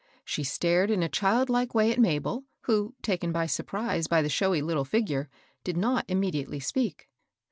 She stared in a childlike way at Mabel, who, taken by surprise by the showy little figure, did not immediately speak.